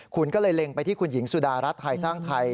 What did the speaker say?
คุณก็เลยเล็งไปที่คุณหญิงสุดารัฐไทยสร้างไทย